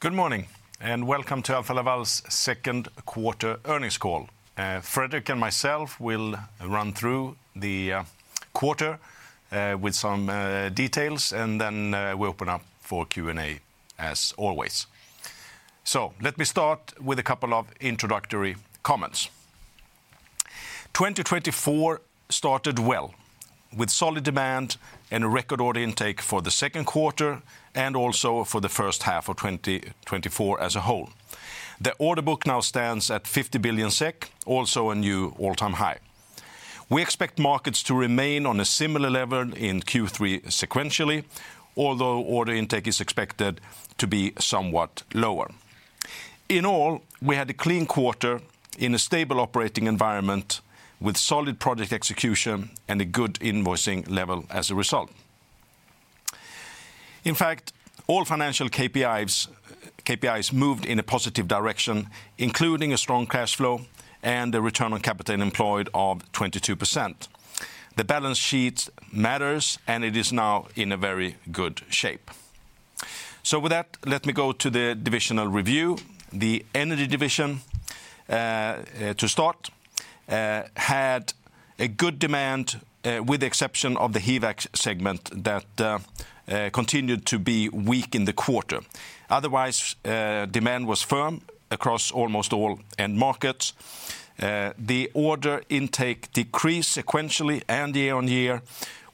Good morning, and welcome to Alfa Laval's Second Quarter Earnings Call. Fredrik and myself will run through the quarter with some details, and then we'll open up for Q&A, as always. Let me start with a couple of introductory comments. 2024 started well, with solid demand and a record order intake for the second quarter, and also for the first half of 2024 as a whole. The order book now stands at 50 billion SEK, also a new all-time high. We expect markets to remain on a similar level in Q3 sequentially, although order intake is expected to be somewhat lower. In all, we had a clean quarter in a stable operating environment, with solid project execution and a good invoicing level as a result. In fact, all financial KPIs, KPIs moved in a positive direction, including a strong cash flow and a return on capital employed of 22%. The balance sheet matters, and it is now in a very good shape. So with that, let me go to the divisional review. The Energy division, to start, had a good demand, with the exception of the HVAC segment that continued to be weak in the quarter. Otherwise, demand was firm across almost all end markets. The order intake decreased sequentially, and year-on-year,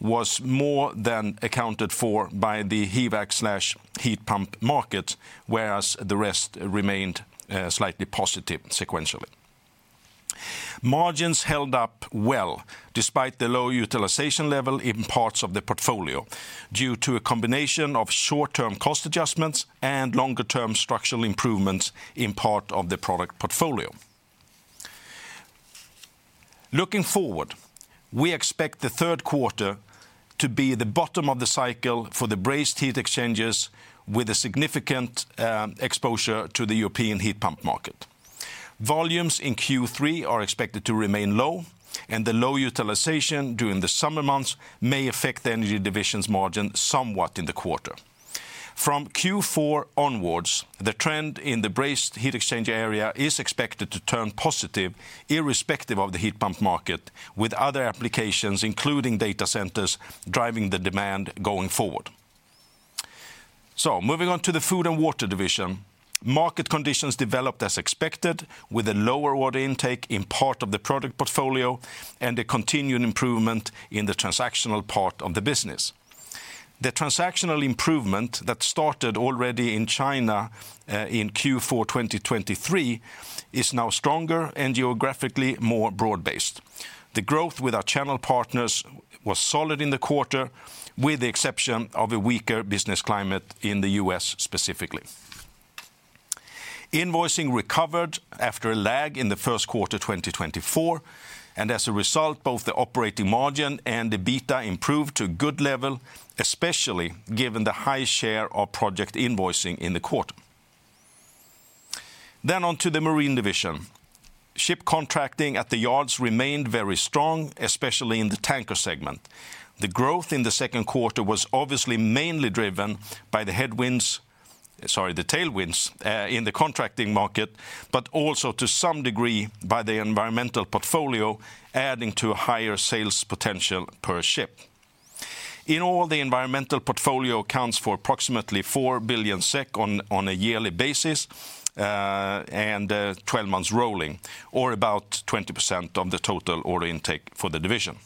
was more than accounted for by the HVAC/Heat Pump market, whereas the rest remained, slightly positive sequentially. Margins held up well, despite the low utilization level in parts of the portfolio, due to a combination of short-term cost adjustments and longer-term structural improvements in part of the product portfolio. Looking forward, we expect the third quarter to be the bottom of the cycle for the brazed heat exchangers, with a significant exposure to the European heat pump market. Volumes in Q3 are expected to remain low, and the low utilization during the summer months may affect the energy division's margin somewhat in the quarter. From Q4 onwards, the trend in the brazed heat exchange area is expected to turn positive, irrespective of the heat pump market, with other applications, including data centers, driving the demand going forward. So moving on to the Food and Water division, market conditions developed as expected, with a lower order intake in part of the product portfolio, and a continuing improvement in the transactional part of the business. The transactional improvement that started already in China in Q4 2023 is now stronger and geographically more broad-based. The growth with our channel partners was solid in the quarter, with the exception of a weaker business climate in the U.S., specifically. Invoicing recovered after a lag in the first quarter, 2024, and as a result, both the operating margin and the beta improved to a good level, especially given the high share of project invoicing in the quarter. Then on to the Marine division. Ship contracting at the yards remained very strong, especially in the Tanker segment. The growth in the second quarter was obviously mainly driven by the headwinds, sorry, the tailwinds, in the contracting market, but also to some degree by the environmental portfolio, adding to a higher sales potential per ship. In all, the environmental portfolio accounts for approximately 4 billion SEK on a yearly basis, and 12 months rolling, or about 20% of the total order intake for the division.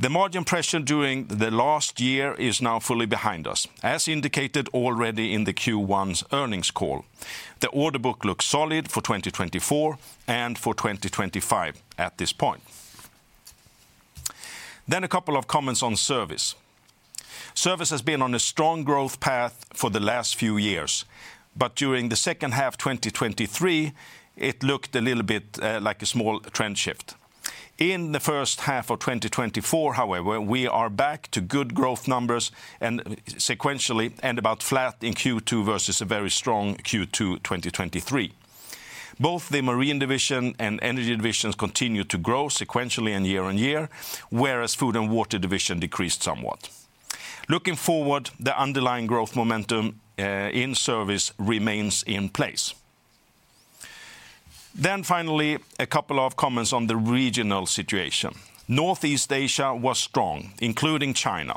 The margin pressure during the last year is now fully behind us, as indicated already in the Q1's earnings call. The order book looks solid for 2024 and for 2025 at this point. Then a couple of comments on service. Service has been on a strong growth path for the last few years, but during the second half, 2023, it looked a little bit like a small trend shift. In the first half of 2024, however, we are back to good growth numbers and sequentially, and about flat in Q2 versus a very strong Q2 2023. Both the Marine division and Energy divisions continue to grow sequentially and year-on-year, whereas Food & Water division decreased somewhat. Looking forward, the underlying growth momentum in service remains in place. Then finally, a couple of comments on the regional situation. Northeast Asia was strong, including China.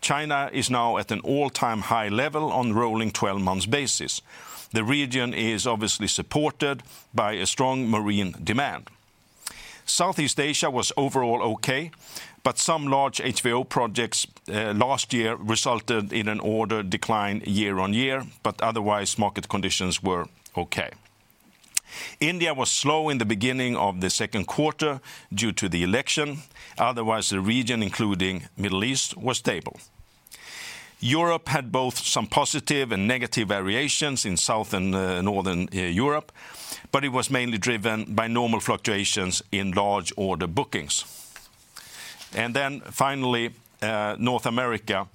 China is now at an all-time high level on rolling 12 months basis. The region is obviously supported by a strong Marine demand. Southeast Asia was overall okay, but some large HVO projects last year resulted in an order decline year-on-year, but otherwise, market conditions were okay. India was slow in the beginning of the second quarter due to the election. Otherwise, the region, including Middle East, was stable. Europe had both some positive and negative variations in South and Northern Europe, but it was mainly driven by normal fluctuations in large order bookings. And then finally, North America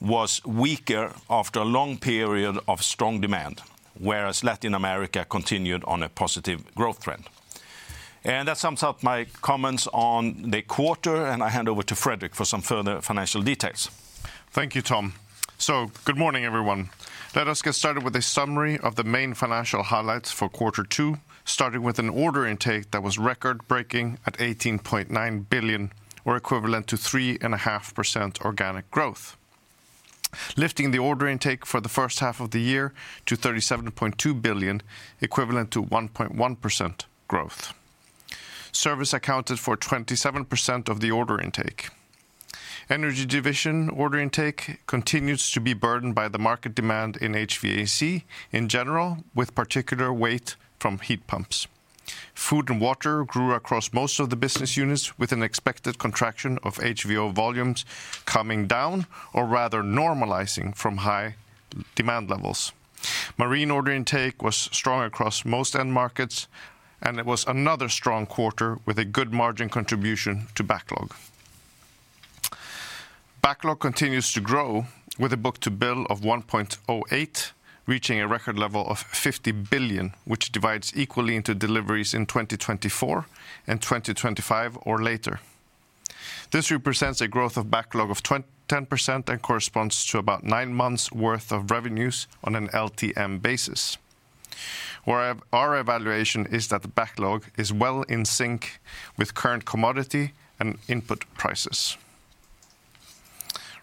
was weaker after a long period of strong demand, whereas Latin America continued on a positive growth trend. And that sums up my comments on the quarter, and I hand over to Fredrik for some further financial details. Thank you, Tom. So good morning, everyone. Let us get started with a summary of the main financial highlights for quarter two, starting with an order intake that was record-breaking at 18.9 billion, or equivalent to 3.5% organic growth. Lifting the order intake for the first half of the year to 37.2 billion, equivalent to 1.1% growth. Service accounted for 27% of the order intake. Energy division order intake continues to be burdened by the market demand in HVAC in general, with particular weight from Heat Pumps. Food and water grew across most of the business units, with an expected contraction of HVO volumes coming down, or rather normalizing from high demand levels. Marine order intake was strong across most end markets, and it was another strong quarter with a good margin contribution to backlog. Backlog continues to grow, with a book-to-bill of 1.08, reaching a record level of 50 billion, which divides equally into deliveries in 2024 and 2025 or later. This represents a growth of backlog of 10% and corresponds to about nine months worth of revenues on an LTM basis, where our evaluation is that the backlog is well in sync with current commodity and input prices.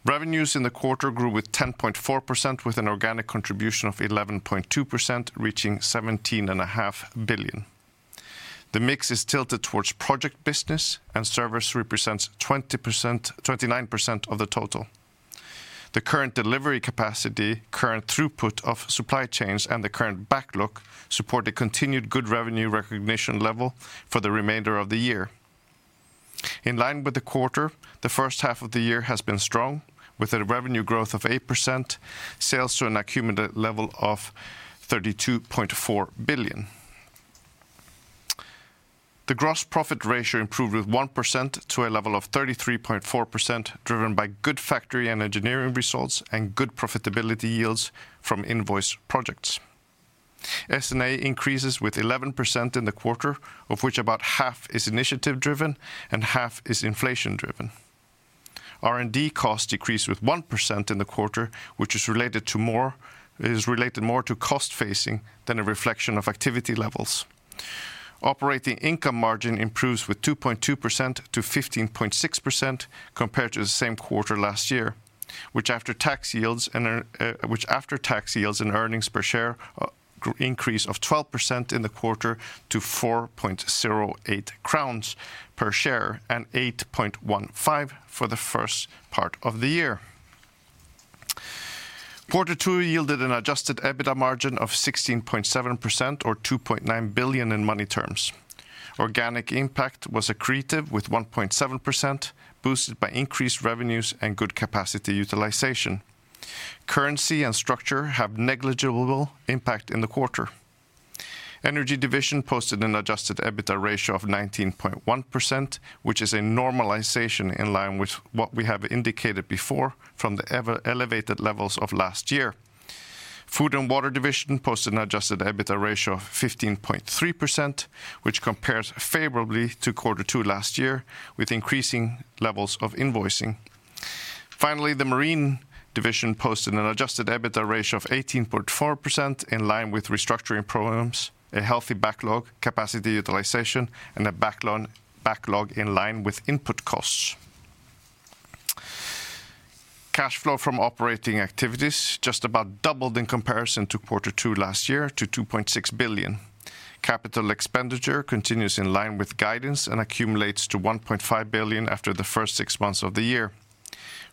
Revenues in the quarter grew with 10.4%, with an organic contribution of 11.2%, reaching 17.5 billion. The mix is tilted towards project business, and service represents 20%-29% of the total. The current delivery capacity, current throughput of supply chains, and the current backlog support a continued good revenue recognition level for the remainder of the year. In line with the quarter, the first half of the year has been strong, with a revenue growth of 8%, sales to an accumulated level of 32.4 billion. The gross profit ratio improved by 1% to a level of 33.4%, driven by good factory and engineering results, and good profitability yields from invoice projects. S&A increases by 11% in the quarter, of which about half is initiative driven and half is inflation driven. R&D costs decreased by 1% in the quarter, which is related more to cost-phasing than a reflection of activity levels. Operating income margin improves with 2.2% to 15.6% compared to the same quarter last year, which after tax yields an earnings per share increase of 12% in the quarter to 4.08 crowns per share and 8.15 for the first part of the year. Quarter two yielded an Adjusted EBITDA margin of 16.7% or 2.9 billion in money terms. Organic impact was accretive, with 1.7%, boosted by increased revenues and good capacity utilization. Currency and structure have negligible impact in the quarter. Energy division posted an Adjusted EBITDA ratio of 19.1%, which is a normalization in line with what we have indicated before from the elevated levels of last year. Food and Water division posted an Adjusted EBITDA ratio of 15.3%, which compares favorably to quarter two last year, with increasing levels of invoicing. Finally, the Marine division posted an Adjusted EBITDA ratio of 18.4%, in line with restructuring programs, a healthy backlog, capacity utilization, and a backlog in line with input costs. Cash flow from operating activities just about doubled in comparison to quarter two last year to 2.6 billion. Capital expenditure continues in line with guidance and accumulates to 1.5 billion after the first six months of the year.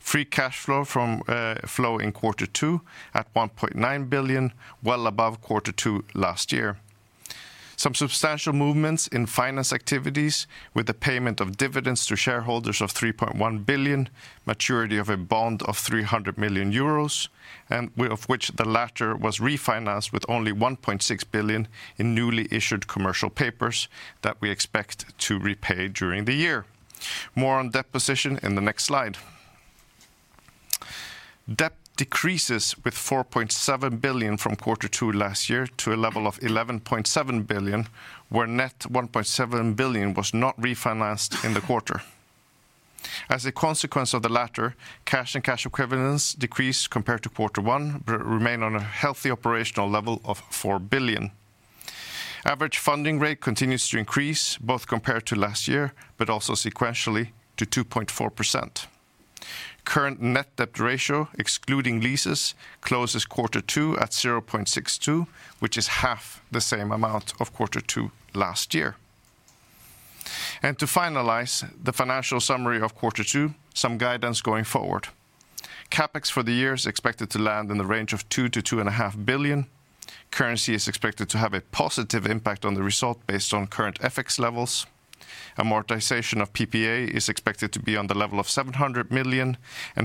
Free cash flow in quarter two at 1.9 billion, well above quarter two last year. Some substantial movements in finance activities, with the payment of dividends to shareholders of 3.1 billion, maturity of a bond of 300 million euros, and of which the latter was refinanced with only 1.6 billion in newly issued commercial papers that we expect to repay during the year. More on debt position in the next slide. Debt decreases with 4.7 billion from quarter two last year to a level of 11.7 billion, where net 1.7 billion was not refinanced in the quarter. As a consequence of the latter, cash and cash equivalents decreased compared to quarter one, but remain on a healthy operational level of 4 billion. Average funding rate continues to increase, both compared to last year, but also sequentially to 2.4%. Current net debt ratio, excluding leases, closes quarter two at 0.62, which is half the same amount of quarter two last year. To finalize the financial summary of quarter two, some guidance going forward. CapEx for the year is expected to land in the range of 2 billion-2.5 billion. Currency is expected to have a positive impact on the result based on current FX levels. Amortization of PPA is expected to be on the level of 700 million.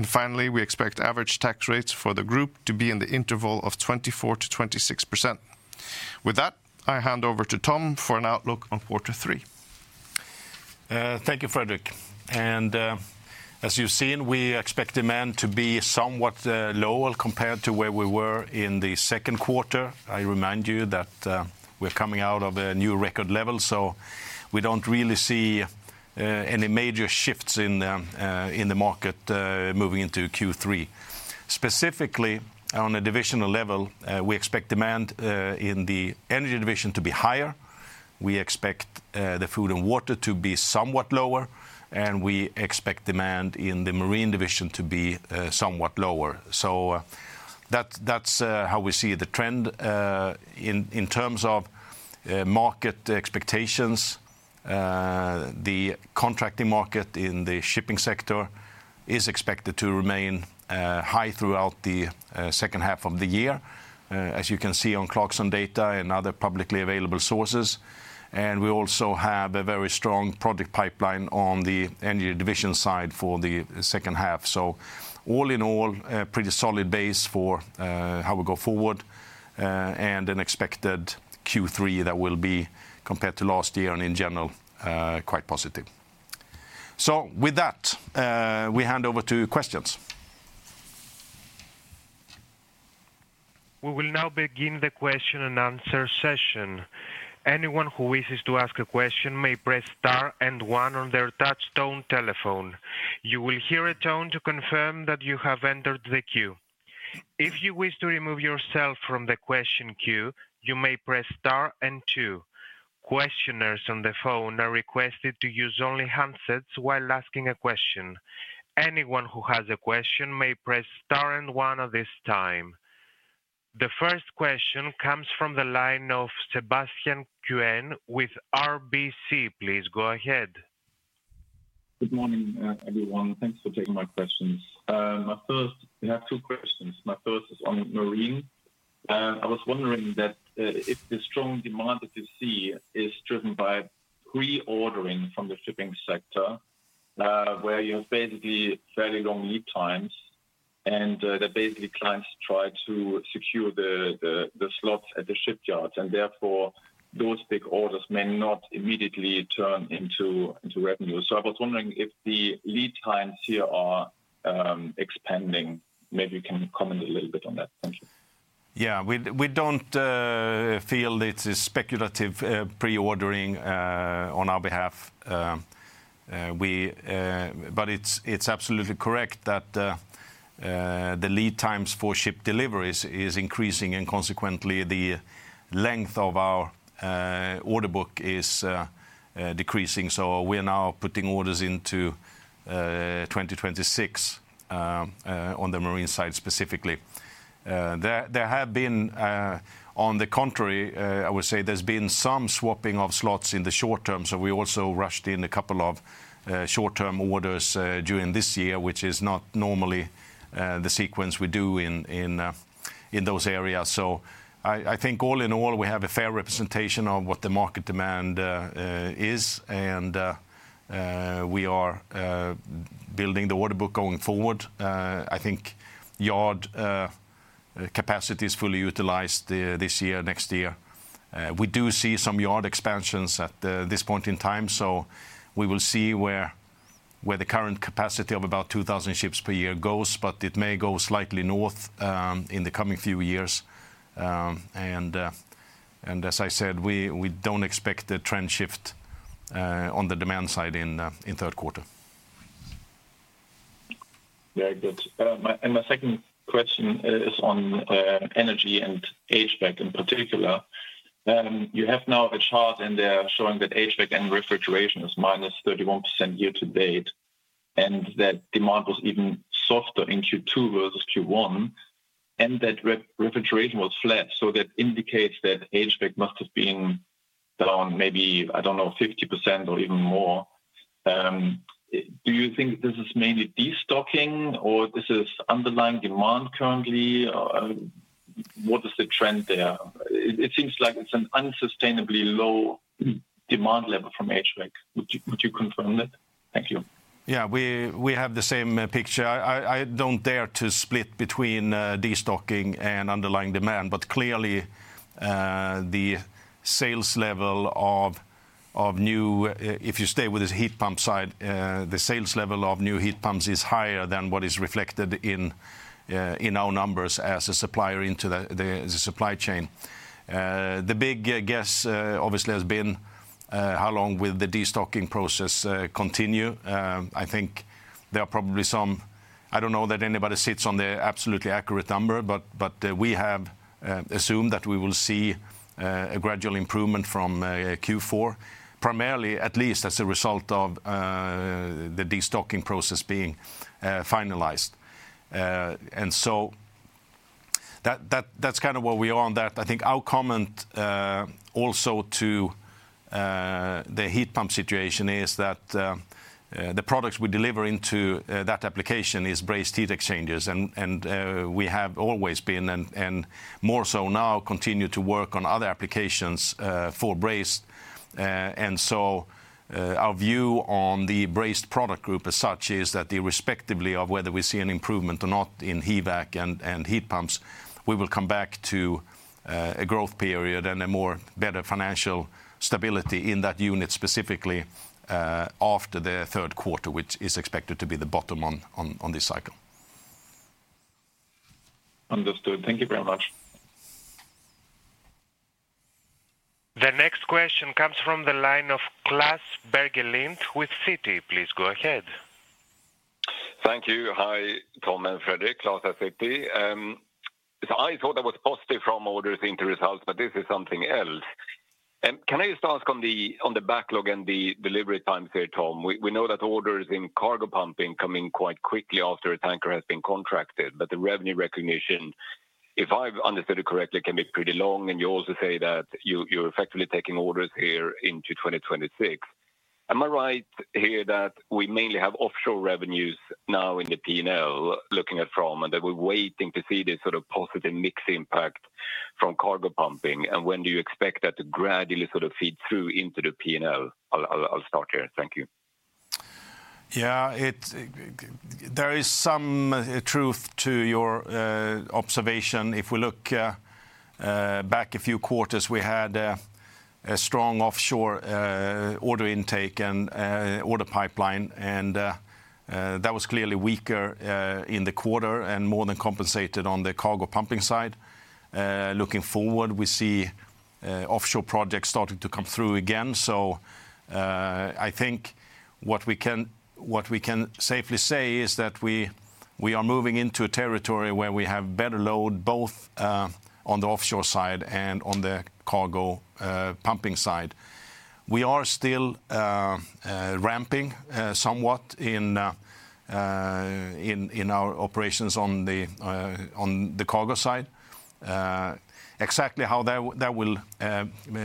Finally, we expect average tax rates for the group to be in the interval of 24%-26%. With that, I hand over to Tom for an outlook on quarter three. Thank you, Fredrik. As you've seen, we expect demand to be somewhat lower compared to where we were in the second quarter. I remind you that, we're coming out of a new record level, so we don't really see any major shifts in the market moving into Q3. Specifically, on a divisional level, we expect demand in the Energy division to be higher. We expect the Food and Water to be somewhat lower, and we expect demand in the Marine division to be somewhat lower. So that, that's how we see the trend. In terms of market expectations, the contracting market in the shipping sector is expected to remain high throughout the second half of the year, as you can see on Clarksons data and other publicly available sources. And we also have a very strong product pipeline on the energy division side for the second half. So all in all, a pretty solid base for how we go forward, and an expected Q3 that will be, compared to last year and in general, quite positive. So with that, we hand over to questions. We will now begin the question-and-answer session. Anyone who wishes to ask a question may press star and one on their touch-tone telephone. You will hear a tone to confirm that you have entered the queue. If you wish to remove yourself from the question queue, you may press star and two. Questioners on the phone are requested to use only handsets while asking a question. Anyone who has a question may press star and one at this time. The first question comes from the line of Sebastian Kuenne with RBC. Please go ahead. Good morning, everyone. Thanks for taking my questions. My first—I have two questions. My first is on Marine. I was wondering if the strong demand that you see is driven by pre-ordering from the shipping sector, where you have basically fairly long lead times, and that basically clients try to secure the slots at the shipyards, and therefore, those big orders may not immediately turn into revenue. So I was wondering if the lead times here are expanding. Maybe you can comment a little bit on that. Thank you. Yeah, we don't feel it is speculative pre-ordering on our behalf. But it's absolutely correct that the lead times for ship deliveries is increasing, and consequently, the length of our order book is decreasing. So we are now putting orders into 2026 on the marine side specifically. There have been, on the contrary, I would say there's been some swapping of slots in the short term, so we also rushed in a couple of short-term orders during this year, which is not normally the sequence we do in those areas. So I think all in all, we have a fair representation of what the market demand is, and we are building the order book going forward. I think yard capacity is fully utilized this year, next year. We do see some yard expansions at this point in time, so we will see where the current capacity of about 2,000 ships per year goes, but it may go slightly north in the coming few years. And as I said, we don't expect a trend shift on the demand side in third quarter. Very good. My second question is on energy and HVAC in particular. You have now a chart in there showing that HVAC and refrigeration is -31% year-to-date, and that demand was even softer in Q2 versus Q1, and that refrigeration was flat, so that indicates that HVAC must have been down maybe, I don't know, 50% or even more. Do you think this is mainly destocking, or this is underlying demand currently? Or what is the trend there? It seems like it's an unsustainably low demand level from HVAC. Would you confirm that? Thank you. Yeah, we have the same picture. I don't dare to split between destocking and underlying demand, but clearly, the sales level of new, if you stay with this Heat Pump side, the sales level of new heat pumps is higher than what is reflected in our numbers as a supplier into the supply chain. The big guess, obviously, has been, how long will the destocking process continue? I think there are probably some... I don't know that anybody sits on the absolutely accurate number, but we have assumed that we will see a gradual improvement from Q4, primarily at least as a result of the destocking process being finalized. And so that's kind of where we are on that. I think our comment also to the heat pump situation is that the products we deliver into that application is brazed heat exchangers, and we have always been, and more so now, continue to work on other applications for brazed. And so our view on the brazed product group as such is that irrespectively of whether we see an improvement or not in HVAC and Heat Pumps, we will come back to a growth period and a more better financial stability in that unit, specifically, after the third quarter, which is expected to be the bottom on this cycle. Understood. Thank you very much. The next question comes from the line of Klas Bergelind with Citi. Please go ahead. Thank you. Hi, Tom and Fredrik. Klas at Citi. So I thought that was positive from orders into results, but this is something else. Can I just ask on the, on the backlog and the delivery times here, Tom? We, we know that orders in cargo pumping come in quite quickly after a tanker has been contracted, but the revenue recognition, if I've understood it correctly, can be pretty long, and you also say that you, you're effectively taking orders here into 2026. Am I right here that we mainly have offshore revenues now in the P&L, looking at from, and that we're waiting to see the sort of positive mix impact from cargo pumping? And when do you expect that to gradually sort of feed through into the P&L? I'll start here. Thank you. Yeah, there is some truth to your observation. If we look back a few quarters, we had a strong offshore order intake and order pipeline, and that was clearly weaker in the quarter and more than compensated on the cargo pumping side. Looking forward, we see offshore projects starting to come through again. So, I think what we can safely say is that we are moving into a territory where we have better load, both on the offshore side and on the cargo pumping side. We are still ramping somewhat in our operations on the cargo side. Exactly how that will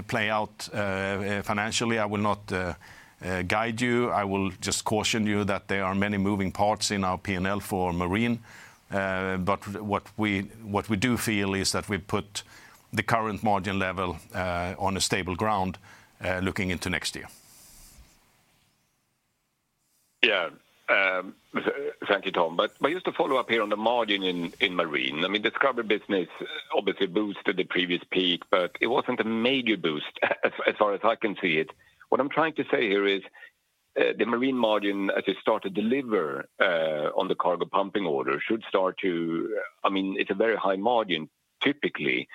play out financially, I will not guide you. I will just caution you that there are many moving parts in our P&L for Marine. But what we do feel is that we put the current margin level on a stable ground looking into next year. Yeah. Thank you, Tom. But just to follow up here on the margin in Marine, I mean, the scrubber business obviously boosted the previous peak, but it wasn't a major boost, as far as I can see it. What I'm trying to say here is, the Marine margin, as you start to deliver on the cargo pumping order, should start to... I mean, it's a very high margin, typically,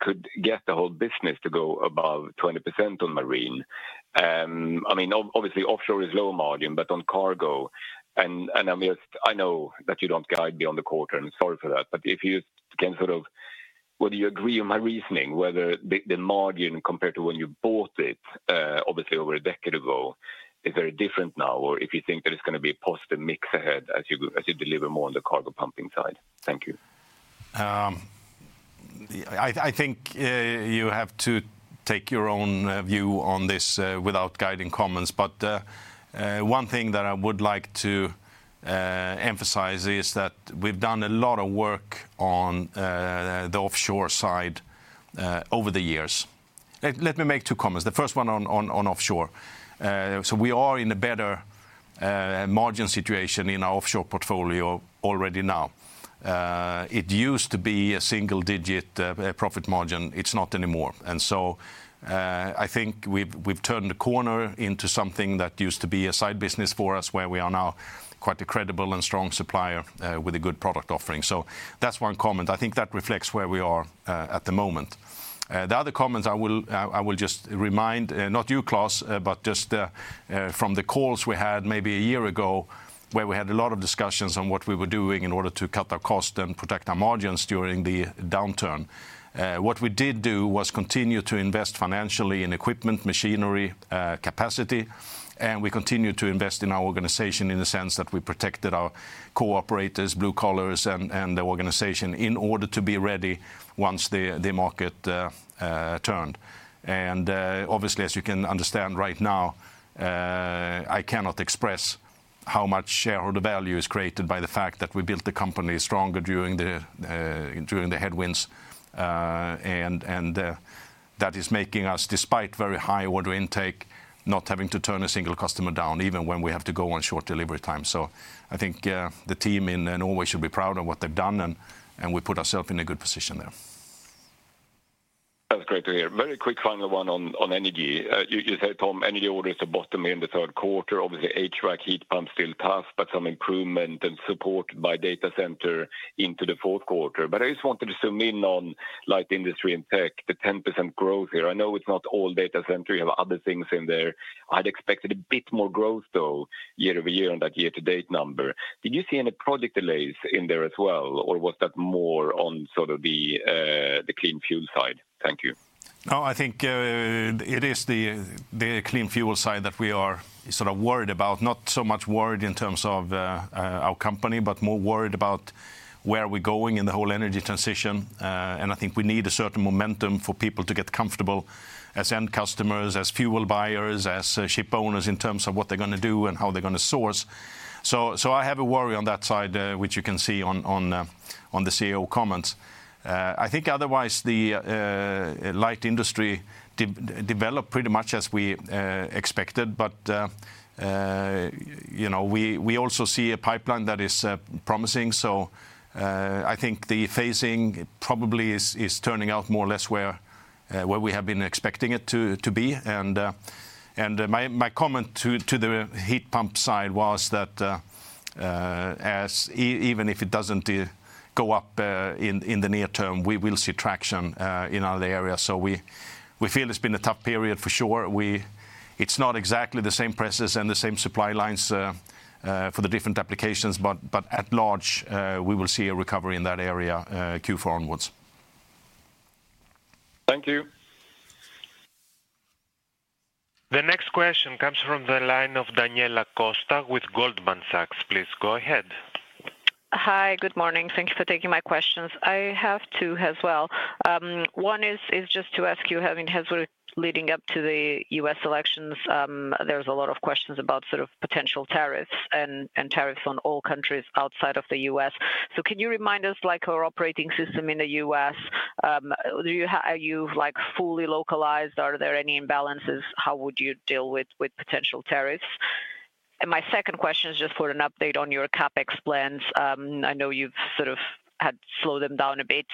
could get the whole business to go above 20% on Marine. I mean, obviously, offshore is low margin, but on cargo, and I mean, I know that you don't guide me on the quarter, and sorry for that. But if you can sort of, whether you agree on my reasoning, whether the margin compared to when you bought it, obviously over a decade ago, is very different now, or if you think that it's gonna be a positive mix ahead as you deliver more on the cargo pumping side. Thank you. I think you have to take your own view on this without guiding comments. But one thing that I would like to emphasize is that we've done a lot of work on the offshore side over the years. Let me make two comments. The first one on offshore. So we are in a better margin situation in our offshore portfolio already now. It used to be a single-digit profit margin. It's not anymore. And so I think we've turned the corner into something that used to be a side business for us, where we are now quite a credible and strong supplier with a good product offering. So that's one comment. I think that reflects where we are at the moment. The other comment, I will just remind, not you, Klas, but just from the calls we had maybe a year ago, where we had a lot of discussions on what we were doing in order to cut our cost and protect our margins during the downturn. What we did do was continue to invest financially in equipment, machinery, capacity, and we continued to invest in our organization in the sense that we protected our cooperators, blue collars, and the organization, in order to be ready once the market turned. And obviously, as you can understand right now, I cannot express how much shareholder value is created by the fact that we built the company stronger during the headwinds. That is making us, despite very high order intake, not having to turn a single customer down, even when we have to go on short delivery time. So I think the team in Norway should be proud of what they've done, and we put ourselves in a good position there. That's great to hear. Very quick final one on energy. You said, Tom, energy orders are bottoming in the third quarter. Obviously, HVAC Heat Pump still tough, but some improvement and support by data center into the fourth quarter. But I just wanted to zoom in on light industry and tech, the 10% growth here. I know it's not all data center. You have other things in there. I'd expected a bit more growth, though, year-over-year on that year-to-date number. Did you see any project delays in there as well, or was that more on sort of the clean fuel side? Thank you. No, I think it is the clean fuel side that we are sort of worried about. Not so much worried in terms of our company, but more worried about where we're going in the whole energy transition. And I think we need a certain momentum for people to get comfortable as end customers, as fuel buyers, as ship owners, in terms of what they're gonna do and how they're gonna source. So I have a worry on that side, which you can see on the CEO comments. I think otherwise, the light industry developed pretty much as we expected, but you know, we also see a pipeline that is promising. So, I think the phasing probably is turning out more or less where we have been expecting it to be. And, my comment to the heat pump side was that, even if it doesn't go up in the near term, we will see traction in other areas. So we feel it's been a tough period for sure. It's not exactly the same pressures and the same supply lines for the different applications, but by and large, we will see a recovery in that area, Q4 onwards. Thank you. The next question comes from the line of Daniela Costa with Goldman Sachs. Please go ahead. Hi, good morning. Thank you for taking my questions. I have two as well. One is just to ask you, having had sort of leading up to the U.S. elections, there's a lot of questions about sort of potential tariffs and tariffs on all countries outside of the U.S. So can you remind us, like, your operating system in the U.S., are you, like, fully localized? Are there any imbalances? How would you deal with potential tariffs? And my second question is just for an update on your CapEx plans. I know you've sort of had to slow them down a bit,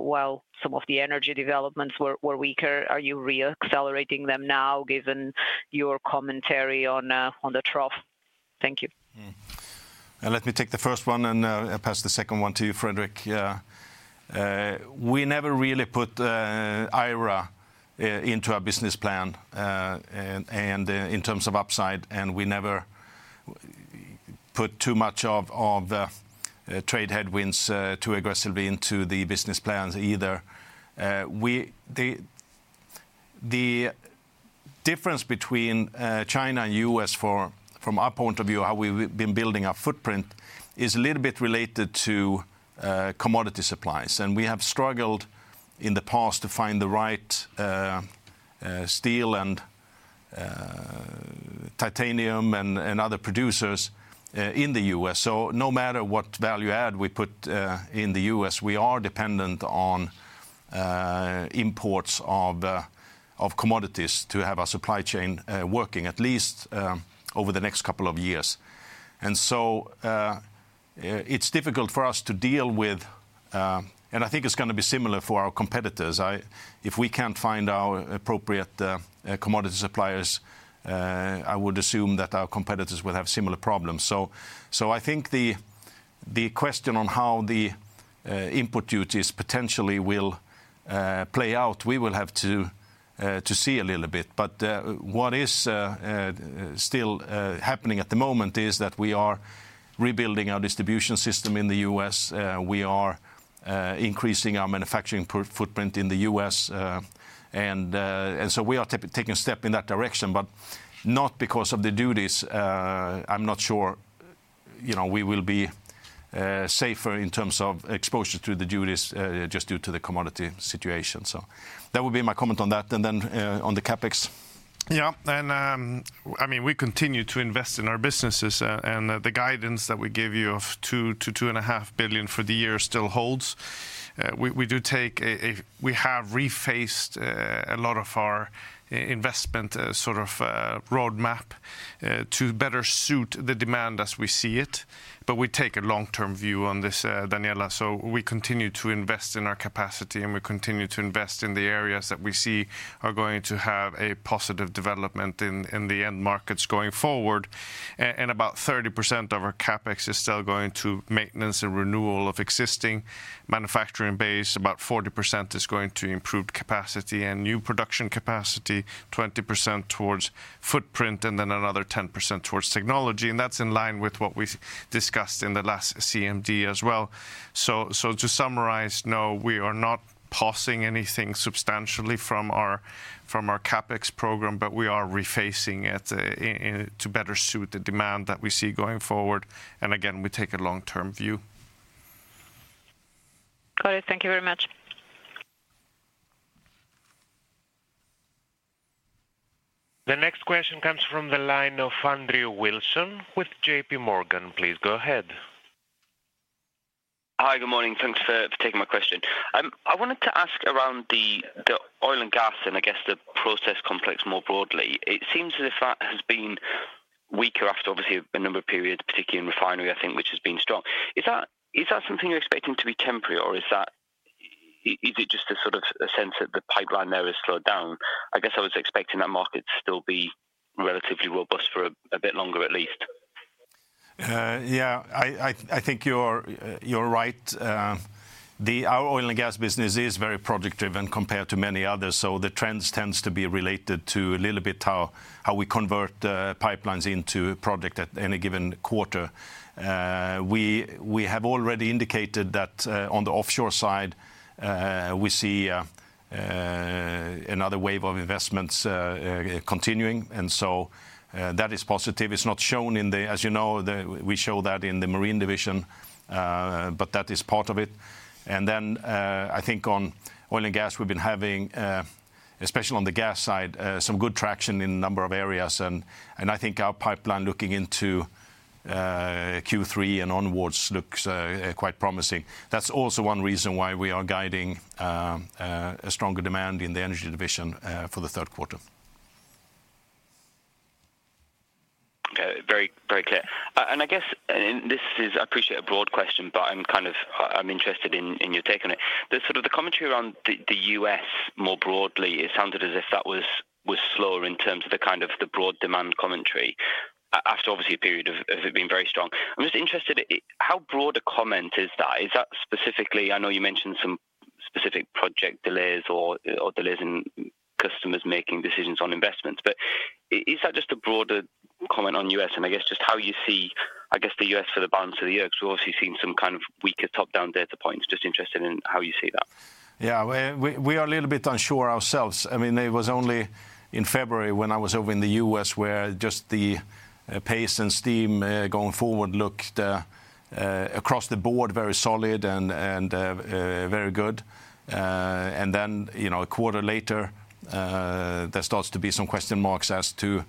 while some of the energy developments were weaker. Are you re-accelerating them now, given your commentary on the trough? Thank you. Let me take the first one, and I'll pass the second one to you, Fredrik. Yeah. We never really put IRA into our business plan, and in terms of upside, and we never put too much of the trade headwinds too aggressively into the business plans either. The difference between China and U.S. from our point of view, how we've been building our footprint, is a little bit related to commodity supplies. And we have struggled in the past to find the right steel and titanium, and other producers in the U.S. So no matter what value add we put in the U.S., we are dependent on imports of commodities to have our supply chain working, at least over the next couple of years. And so it's difficult for us to deal with. And I think it's gonna be similar for our competitors. If we can't find our appropriate commodity suppliers, I would assume that our competitors will have similar problems. So I think the question on how the input duties potentially will play out, we will have to see a little bit. But what is still happening at the moment is that we are rebuilding our distribution system in the U.S. We are increasing our manufacturing footprint in the U.S., and so we are taking a step in that direction, but not because of the duties. I'm not sure, you know, we will be safer in terms of exposure to the duties, just due to the commodity situation. So that would be my comment on that, and then, on the CapEx. Yeah, and, I mean, we continue to invest in our businesses, and the guidance that we gave you of 2 billion-2.5 billion for the year still holds. We do take a We have refaced a lot of our investment, sort of, roadmap to better suit the demand as we see it, but we take a long-term view on this, Daniela. So we continue to invest in our capacity, and we continue to invest in the areas that we see are going to have a positive development in the end markets going forward. And about 30% of our CapEx is still going to maintenance and renewal of existing manufacturing base. About 40% is going to improved capacity and new production capacity, 20% towards footprint, and then another 10% towards technology, and that's in line with what we've discussed in the last CMD as well. So to summarize, no, we are not pausing anything substantially from our, from our CapEx program, but we are rephasing it to better suit the demand that we see going forward. And again, we take a long-term view. Got it. Thank you very much. The next question comes from the line of Andrew Wilson with JPMorgan. Please go ahead. Hi, good morning. Thanks for, for taking my question. I wanted to ask around the, the oil and gas, and I guess the process complex more broadly. It seems as if that has been weaker after, obviously, a number of periods, particularly in refinery, I think, which has been strong. Is that, is that something you're expecting to be temporary, or is that... is it just a sort of a sense that the pipeline there has slowed down? I guess I was expecting that market to still be relatively robust for a, a bit longer, at least. Yeah, I think you're right. Our oil and gas business is very project driven compared to many others, so the trends tends to be related to a little bit how we convert pipelines into a project at any given quarter. We have already indicated that on the offshore side we see another wave of investments continuing, and so that is positive. It's not shown in the—as you know, we show that in the Marine division, but that is part of it. And then I think on oil and gas, we've been having especially on the gas side some good traction in a number of areas. And I think our pipeline looking into Q3 and onwards looks quite promising. That's also one reason why we are guiding a stronger demand in the Energy division for the third quarter. Okay, very, very clear. And I guess, and this is, I appreciate, a broad question, but I'm kind of, I'm interested in, in your take on it. The sort of the commentary around the, the U.S. more broadly, it sounded as if that was slower in terms of the kind of the broad demand commentary, after obviously a period of, of it being very strong. I'm just interested, how broad a comment is that? Is that specifically? I know you mentioned some specific project delays or delays in customers making decisions on investments, but is that just a broader comment on U.S., and I guess just how you see, I guess, the U.S. for the balance of the year? 'Cause we've obviously seen some kind of weaker top-down data points. Just interested in how you see that. Yeah, we're a little bit unsure ourselves. I mean, it was only in February when I was over in the U.S., where just the pace and steam going forward looked across the board, very solid and very good. And then, you know, a quarter later, there starts to be some question marks as to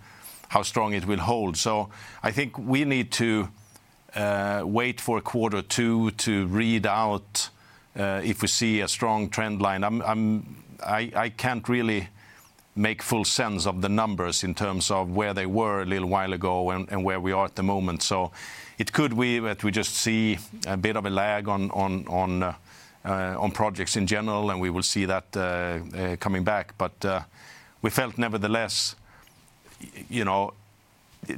how strong it will hold. So I think we need to wait for a quarter or two to read out if we see a strong trend line. I'm, I can't really make full sense of the numbers in terms of where they were a little while ago and where we are at the moment. So it could be that we just see a bit of a lag on projects in general, and we will see that coming back. But we felt nevertheless, you know,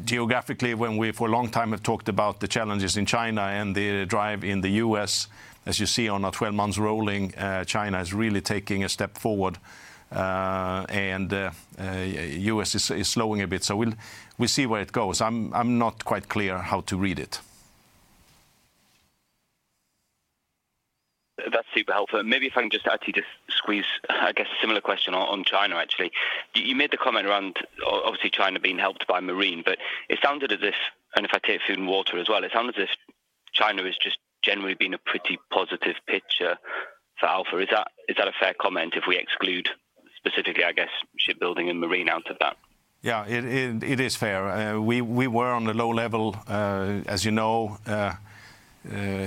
geographically, when we for a long time have talked about the challenges in China and the drive in the U.S., as you see on a 12-month rolling, China is really taking a step forward, and U.S. is slowing a bit. So we'll see where it goes. I'm not quite clear how to read it. That's super helpful. Maybe if I can just actually just squeeze, I guess, a similar question on China, actually. You made the comment around obviously China being helped by marine, but it sounded as if, and if I take food and water as well, it sounded as if China has just generally been a pretty positive picture for Alfa. Is that a fair comment, if we exclude specifically, I guess, shipbuilding and marine out of that? Yeah, it is fair. We were on a low level, as you know,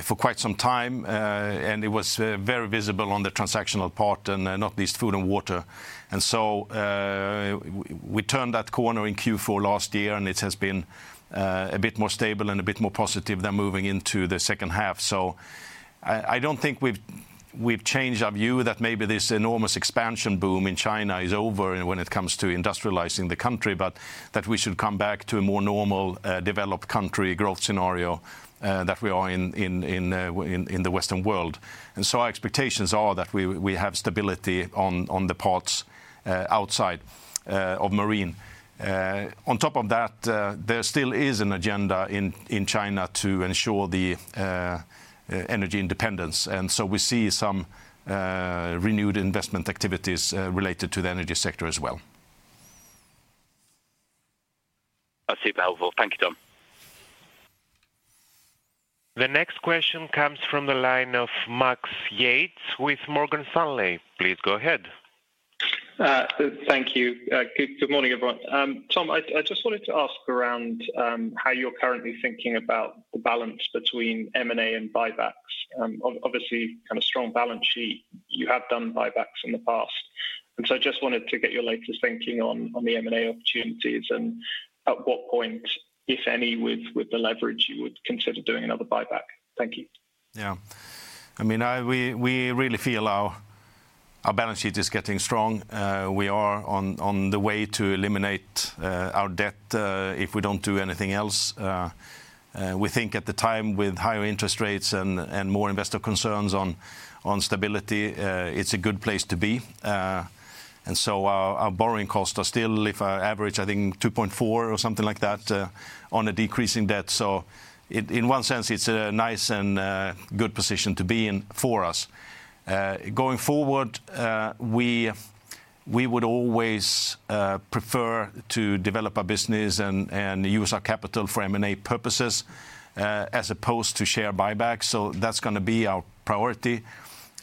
for quite some time. And it was very visible on the transactional part, and not least Food and Water. And so we turned that corner in Q4 last year, and it has been a bit more stable and a bit more positive than moving into the second half. So I don't think we've changed our view that maybe this enormous expansion boom in China is over and when it comes to industrializing the country, but that we should come back to a more normal developed country growth scenario that we are in in the Western world. And so our expectations are that we have stability on the parts outside of Marine. On top of that, there still is an agenda in China to ensure the energy independence, and so we see some renewed investment activities related to the energy sector as well. That's super helpful. Thank you, Tom. The next question comes from the line of Max Yates with Morgan Stanley. Please go ahead. Thank you. Good morning, everyone. Tom, I just wanted to ask how you're currently thinking about the balance between M&A and buybacks. Obviously, kind of strong balance sheet, you have done buybacks in the past, and so I just wanted to get your latest thinking on the M&A opportunities, and at what point, if any, with the leverage, you would consider doing another buyback? Thank you. Yeah. I mean, we really feel our balance sheet is getting strong. We are on the way to eliminate our debt, if we don't do anything else. We think at the time, with higher interest rates and more investor concerns on stability, it's a good place to be. And so our borrowing costs are still, if I average, I think, 2.4 or something like that, on a decreasing debt. So in one sense, it's a nice and good position to be in for us. Going forward, we would always prefer to develop our business and use our capital for M&A purposes, as opposed to share buybacks, so that's gonna be our priority.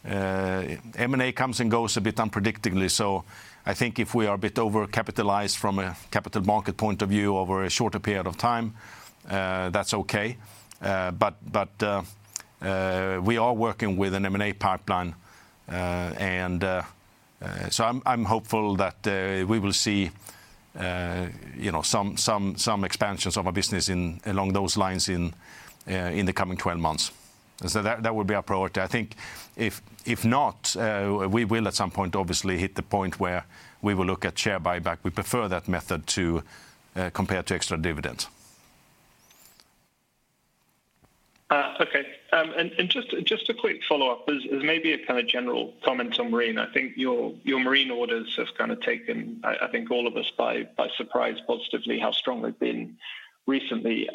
M&A comes and goes a bit unpredictably, so I think if we are a bit overcapitalized from a capital market point of view over a shorter period of time, that's okay. But we are working with an M&A pipeline, and so I'm hopeful that we will see, you know, some expansions of our business in along those lines in the coming 12 months. And so that would be our priority. I think, if not, we will, at some point, obviously hit the point where we will look at share buyback. We prefer that method to compared to extra dividends. Okay. And just a quick follow-up, as maybe a kind of general comment on Marine. I think your Marine orders have kind of taken all of us by surprise, positively, how strong they've been recently.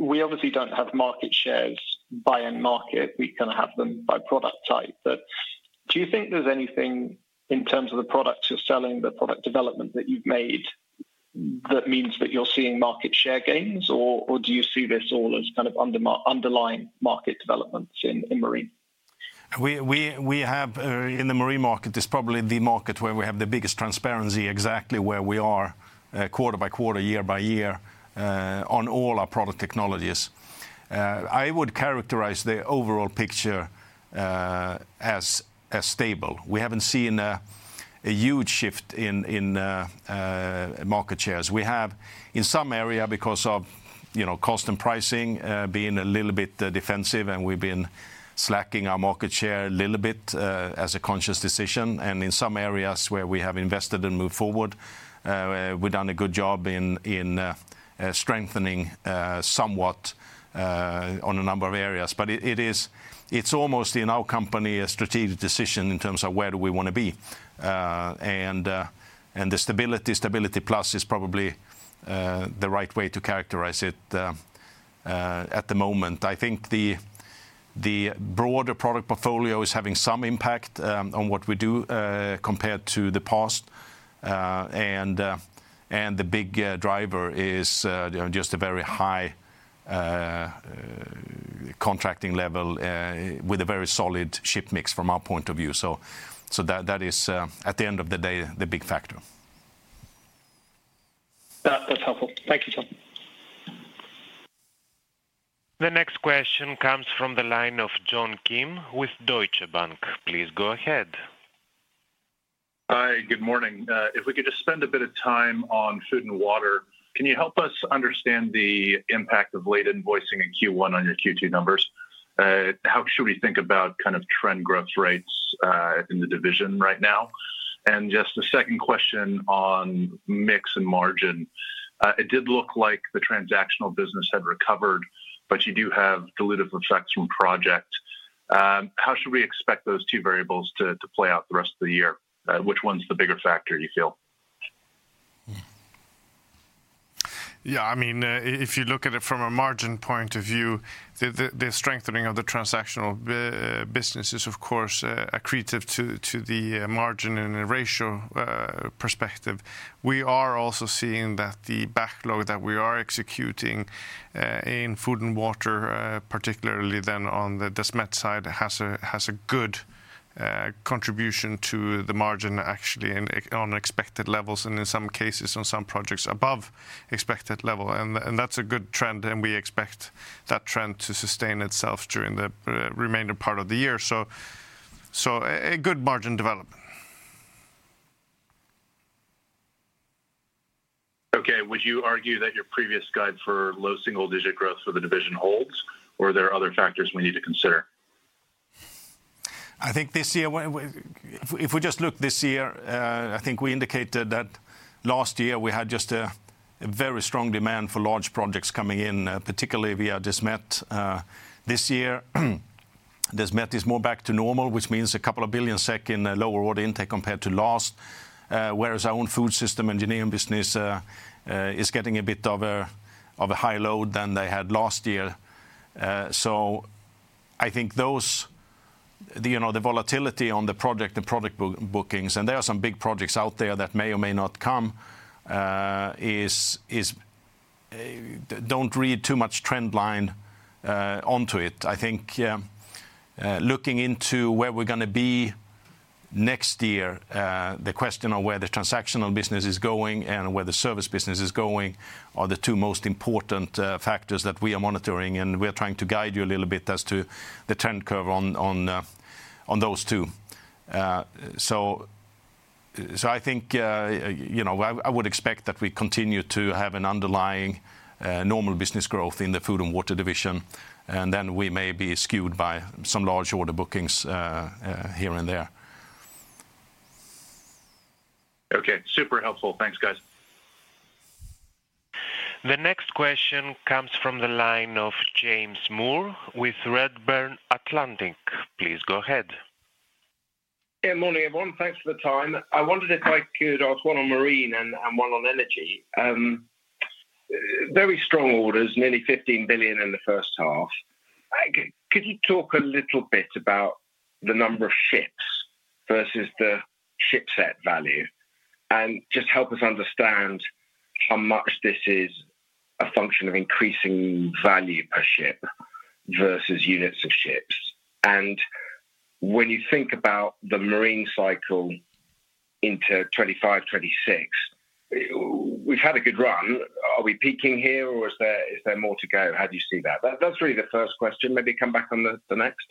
We obviously don't have market shares by end market. We kind of have them by product type. But do you think there's anything in terms of the products you're selling, the product development that you've made, that means that you're seeing market share gains, or do you see this all as kind of underlying market developments in Marine? We have in the marine market, it's probably the market where we have the biggest transparency, exactly where we are, quarter by quarter, year by year, on all our product technologies. I would characterize the overall picture as stable. We haven't seen a huge shift in market shares. We have, in some area, because of, you know, cost and pricing, being a little bit defensive, and we've been slacking our market share a little bit, as a conscious decision. And in some areas where we have invested and moved forward, we've done a good job in strengthening somewhat on a number of areas. But it is, it's almost, in our company, a strategic decision in terms of where do we wanna be. And the stability, stability plus is probably the right way to characterize it at the moment. I think the broader product portfolio is having some impact on what we do compared to the past. And the big driver is, you know, just a very high contracting level with a very solid ship mix from our point of view. So that is, at the end of the day, the big factor. That, that's helpful. Thank you, sir. The next question comes from the line of John Kim, with Deutsche Bank. Please go ahead. Hi, good morning. If we could just spend a bit of time on Food and Water, can you help us understand the impact of late invoicing in Q1 on your Q2 numbers? How should we think about kind of trend growth rates in the division right now? And just a second question on mix and margin. It did look like the transactional business had recovered, but you do have dilutive effects from project. How should we expect those two variables to play out the rest of the year? Which one's the bigger factor, you feel? Yeah, I mean, if you look at it from a margin point of view, the strengthening of the transactional business is, of course, accretive to the margin in a ratio perspective. We are also seeing that the backlog that we are executing in Food & Water, particularly then on the Desmet side, has a good contribution to the margin, actually, and on expected levels, and in some cases, on some projects, above expected level. And that's a good trend, and we expect that trend to sustain itself during the remainder part of the year. So a good margin development. Okay, would you argue that your previous guide for low single-digit growth for the division holds, or are there other factors we need to consider? I think this year, if we just look this year, I think we indicated that last year we had just a very strong demand for large projects coming in, particularly via Desmet. This year, Desmet is more back to normal, which means 2 billion SEK in lower order intake compared to last. Whereas our own food system engineering business is getting a bit of a higher load than they had last year. So I think those, you know, the volatility on the project, the product bookings, and there are some big projects out there that may or may not come, is. Don't read too much trend line onto it. I think, looking into where we're gonna be next year, the question on where the transactional business is going and where the service business is going, are the two most important factors that we are monitoring, and we are trying to guide you a little bit as to the trend curve on, on, on those two. So, so I think, you know, I, I would expect that we continue to have an underlying, normal business growth in the food and water division, and then we may be skewed by some large order bookings, here and there. Okay, super helpful. Thanks, guys. The next question comes from the line of James Moore with Redburn Atlantic. Please go ahead. Yeah, morning, everyone. Thanks for the time. I wondered if I could ask one on Marine and one on Energy. Very strong orders, nearly 15 billion in the first half. Could you talk a little bit about the number of ships versus the shipset value? And just help us understand how much this is a function of increasing value per ship versus units of ships. And when you think about the Marine cycle into 2025, 2026, we've had a good run. Are we peaking here, or is there more to go? How do you see that? That's really the first question. Maybe come back on the next.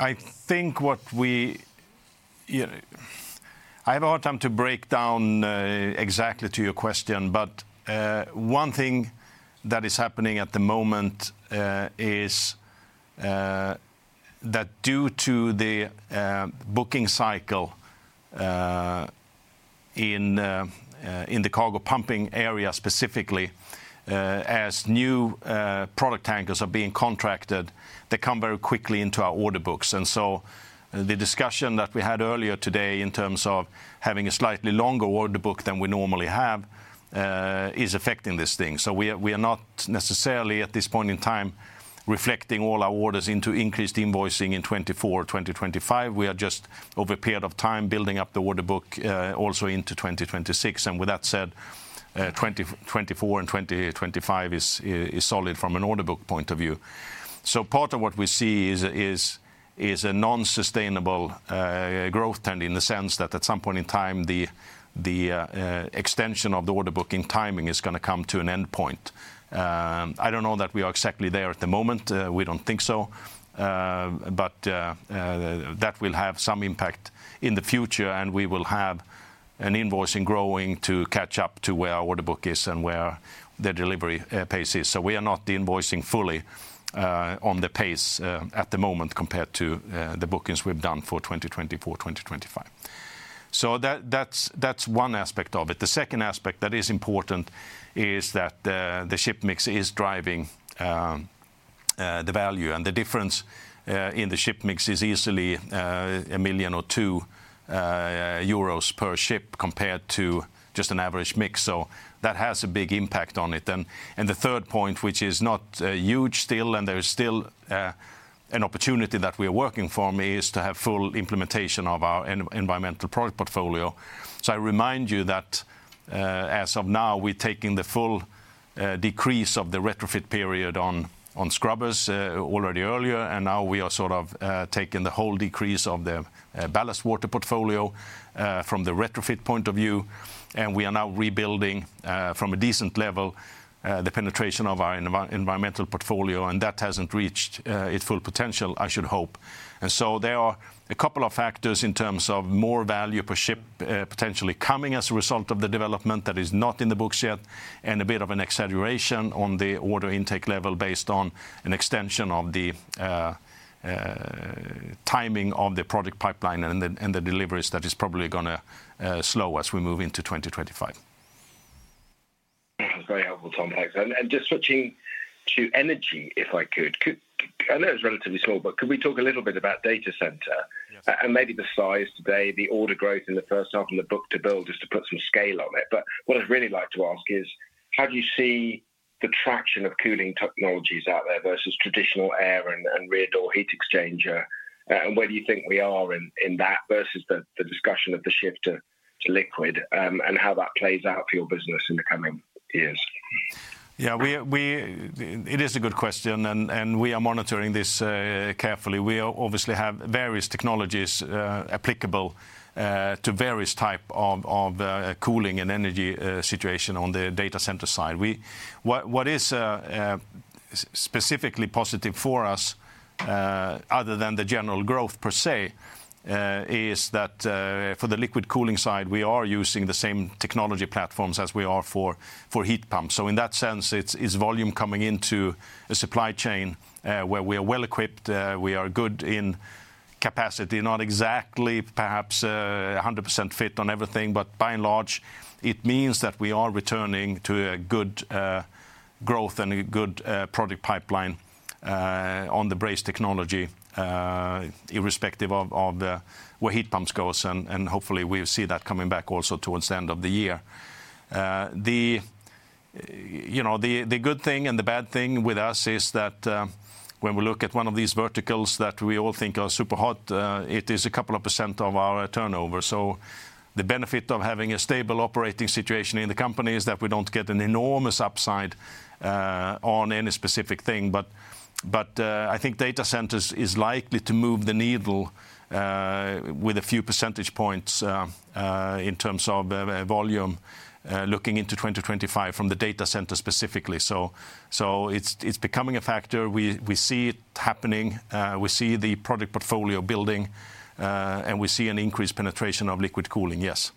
I think I have a hard time to break down exactly to your question, but one thing that is happening at the moment is that due to the booking cycle in the cargo pumping area, specifically, as new product tankers are being contracted, they come very quickly into our order books. And so the discussion that we had earlier today in terms of having a slightly longer order book than we normally have is affecting this thing. So we are not necessarily, at this point in time, reflecting all our orders into increased invoicing in 2024, 2025. We are just, over a period of time, building up the order book also into 2026. With that said, 2024 and 2025 is solid from an order book point of view. So part of what we see is a non-sustainable growth trend, in the sense that at some point in time, the extension of the order booking timing is gonna come to an endpoint. I don't know that we are exactly there at the moment, we don't think so. But that will have some impact in the future, and we will have an invoicing growing to catch up to where our order book is and where the delivery pace is. So we are not invoicing fully on the pace at the moment compared to the bookings we've done for 2024, 2025. So that's one aspect of it. The second aspect that is important is that the ship mix is driving the value. The difference in the ship mix is easily 1 million or 2 million euros per ship, compared to just an average mix. So that has a big impact on it. The third point, which is not huge still, and there is still an opportunity that we're working for, is to have full implementation of our environmental product portfolio. I remind you that, as of now, we're taking the full decrease of the retrofit period on scrubbers already earlier, and now we are sort of taking the whole decrease of the ballast water portfolio from the retrofit point of view. We are now rebuilding from a decent level the penetration of our Environmental portfolio, and that hasn't reached its full potential, I should hope. So there are a couple of factors in terms of more value per ship potentially coming as a result of the development that is not in the books yet, and a bit of an exaggeration on the order intake level, based on an extension of the timing of the product pipeline and the deliveries that is probably gonna slow as we move into 2025. That's very helpful, Tom. And just switching to energy, if I could, I know it's relatively small, but could we talk a little bit about data center? Yeah. And maybe the size today, the order growth in the first half and the book-to-bill, just to put some scale on it. But what I'd really like to ask is: How do you see the traction of cooling technologies out there versus traditional air and rear door heat exchanger? And where do you think we are in that versus the discussion of the shift to liquid, and how that plays out for your business in the coming years? Yeah, it is a good question, and we are monitoring this carefully. We obviously have various technologies applicable to various type of cooling and energy situation on the data center side. What is specifically positive for us, other than the general growth per se, is that, for the liquid cooling side, we are using the same technology platforms as we are for heat pumps. So in that sense, it's volume coming into a supply chain where we are well-equipped, we are good in capacity. Not exactly perhaps, 100% fit on everything, but by and large, it means that we are returning to a good, growth and a good, product pipeline, on the brazed technology, irrespective of, of the, where heat pumps goes, and, and hopefully we'll see that coming back also towards the end of the year. You know, the, the good thing and the bad thing with us is that, when we look at one of these verticals that we all think are super hot, it is a couple of percent of our turnover. So the benefit of having a stable operating situation in the company is that we don't get an enormous upside, on any specific thing. I think data centers is likely to move the needle with a few percentage points in terms of volume looking into 2025 from the data center specifically. So it's becoming a factor. We see it happening, we see the product portfolio building, and we see an increased penetration of liquid cooling, yes.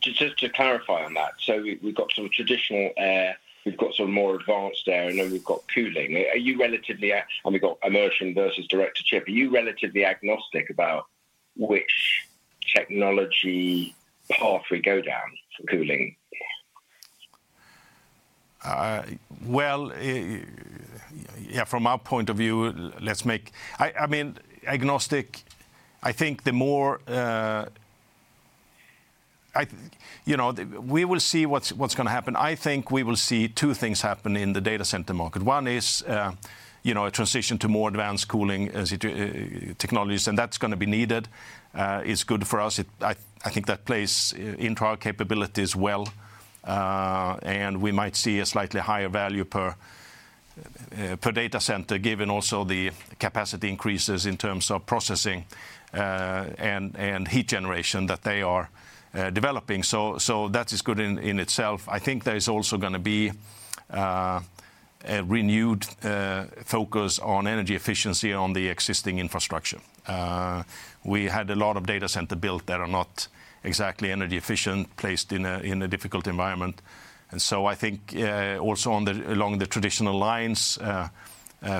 Just to clarify on that, so we've got some traditional air, we've got some more advanced air, and then we've got cooling, immersion versus direct-to-chip. Are you relatively agnostic about which technology path we go down for cooling? Well, yeah, from our point of view, let's make... I mean, agnostic. I think the more... you know, we will see what's gonna happen. I think we will see two things happen in the data center market. One is, you know, a transition to more advanced cooling as you do technologies, and that's gonna be needed is good for us. I think that plays into our capabilities well, and we might see a slightly higher value per per data center, given also the capacity increases in terms of processing, and and heat generation that they are developing. So, that is good in itself. I think there is also gonna be a renewed focus on energy efficiency on the existing infrastructure. We had a lot of data centers built that are not exactly energy efficient, placed in a difficult environment. And so I think, also along the traditional lines,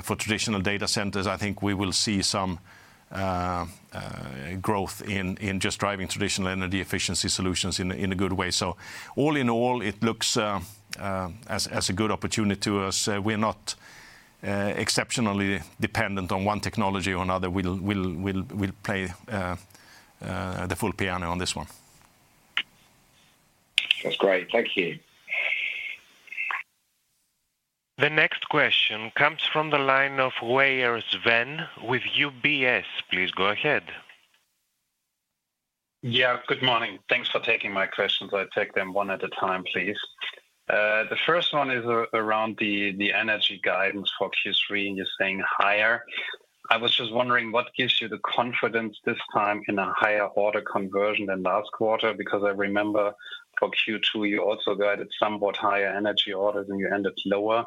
for traditional data centers, I think we will see some growth in just driving traditional energy efficiency solutions in a good way. So all in all, it looks as a good opportunity to us. We're not exceptionally dependent on one technology or another. We'll play the full piano on this one. That's great. Thank you. The next question comes from the line of Sven Weier with UBS. Please go ahead. Yeah, good morning. Thanks for taking my questions. I'll take them one at a time, please. The first one is around the, the energy guidance for Q3, and you're saying higher. I was just wondering, what gives you the confidence this time in a higher order conversion than last quarter? Because I remember for Q2, you also guided somewhat higher energy orders, and you ended lower.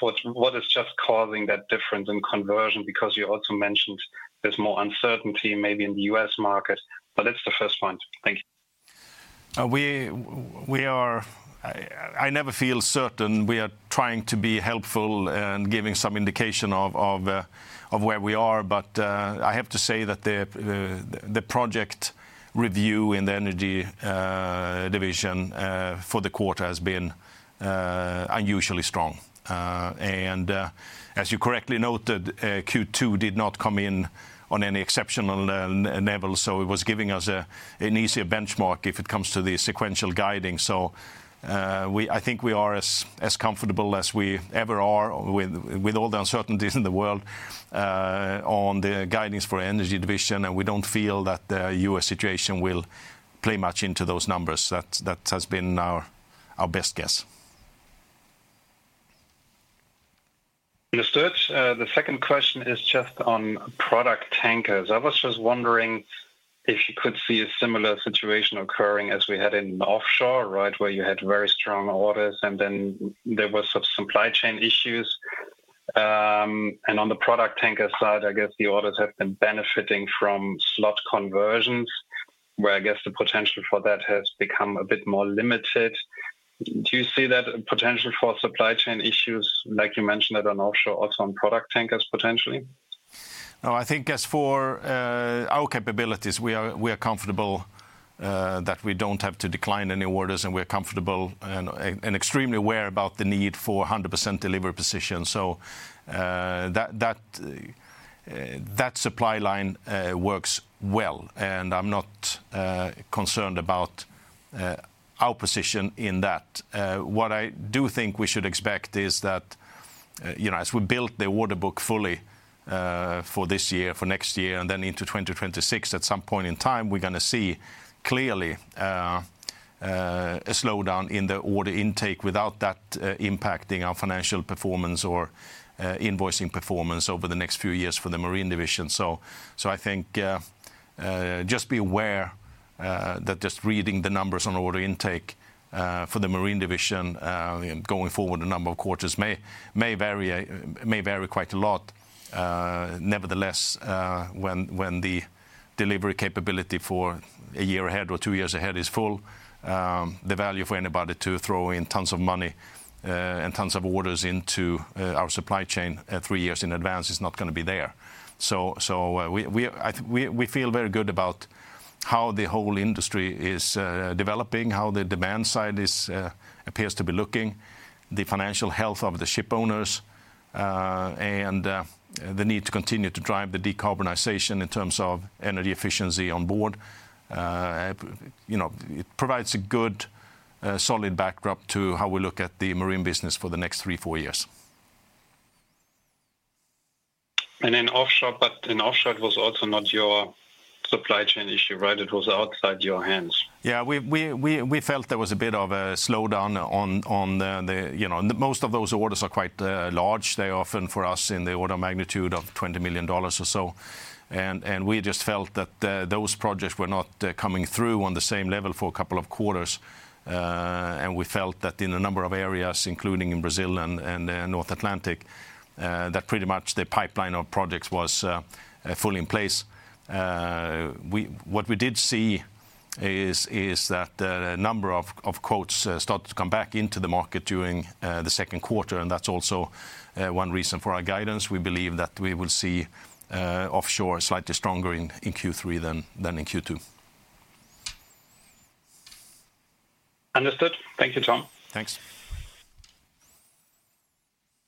What is just causing that difference in conversion? Because you also mentioned there's more uncertainty maybe in the U.S. market, but that's the first point. Thank you. We are. I never feel certain. We are trying to be helpful in giving some indication of where we are. But I have to say that the project review in the Energy division for the quarter has been unusually strong. And as you correctly noted, Q2 did not come in on any exceptional level, so it was giving us an easier benchmark if it comes to the sequential guiding. I think we are as comfortable as we ever are with all the uncertainties in the world on the guidance for Energy division, and we don't feel that the U.S. situation will play much into those numbers. That has been our best guess. Understood. The second question is just on product tankers. I was just wondering if you could see a similar situation occurring as we had in offshore, right? Where you had very strong orders, and then there were some supply chain issues. And on the product tanker side, I guess the orders have been benefiting from slot conversions, where I guess the potential for that has become a bit more limited. Do you see that potential for supply chain issues, like you mentioned that on offshore, also on product tankers, potentially? No, I think as for our capabilities, we are, we are comfortable that we don't have to decline any orders, and we're comfortable and extremely aware about the need for 100% delivery position. So, that supply line works well, and I'm not concerned about our position in that. What I do think we should expect is that, you know, as we build the order book fully for this year, for next year, and then into 2026, at some point in time, we're gonna see clearly a slowdown in the order intake without that impacting our financial performance or invoicing performance over the next few years for the Marine division. So, I think, just be aware that just reading the numbers on order intake for the Marine division, and going forward, a number of quarters may vary quite a lot. Nevertheless, when the delivery capability for a year ahead or two years ahead is full, the value for anybody to throw in tons of money and tons of orders into our supply chain three years in advance is not gonna be there. So, we feel very good about how the whole industry is developing, how the demand side appears to be looking, the financial health of the shipowners, and the need to continue to drive the decarbonization in terms of energy efficiency on board. You know, it provides a good, solid backdrop to how we look at the Marine business for the next 3-4 years. In offshore, but in offshore, it was also not your supply chain issue, right? It was outside your hands. Yeah, we felt there was a bit of a slowdown on the... You know, and most of those orders are quite large. They're often, for us, in the order of magnitude of $20 million or so, and we just felt that those projects were not coming through on the same level for a couple of quarters. And we felt that in a number of areas, including in Brazil and North Atlantic, that pretty much the pipeline of projects was fully in place. What we did see is that a number of quotes started to come back into the market during the second quarter, and that's also one reason for our guidance. We believe that we will see offshore slightly stronger in Q3 than in Q2. Understood. Thank you, Tom.